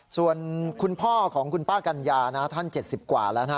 ส่วนคุณพ่อของคุณป้ากัญญานะท่าน๗๐กว่าแล้วนะ